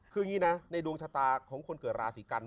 คืองี้นะในดวงชะตาของคนเกิดราศิกรันดร์